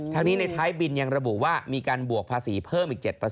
ทั้งนี้ในท้ายบินยังระบุว่ามีการบวกภาษีเพิ่มอีก๗